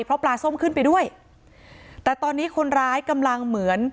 เพราะปลาส้มขึ้นไปด้วยแต่ตอนนี้คนร้ายกำลังเหมือน